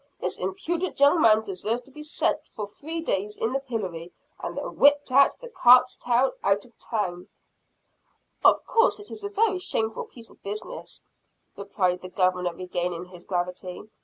This impudent young man deserves to be set for three days in the pillory, and then whipped at the cart's tail out of town." "Of course it is a very shameful piece of business," replied the Governor, regaining his gravity.